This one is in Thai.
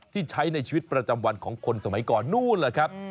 ที่ใช้ในชีวิตประจำวันของคนสมัยก่อนนู่นแหละครับ